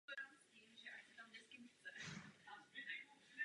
Nejstarší písemnou zmínku uchovává Státní okresní archiv v Uherském Hradišti.